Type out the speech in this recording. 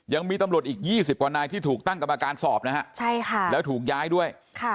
ยังมีตำรวจอีก๒๐กว่านายที่ถูกตั้งกรรมการสอบนะฮะใช่ค่ะแล้วถูกย้ายด้วย